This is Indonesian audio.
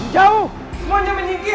jauh semuanya menyingkir